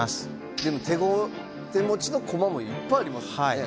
でも手持ちの駒もいっぱいありますよね。